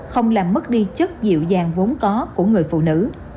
không làm mất đi chất dịu dàng vốn có của người phụ nữ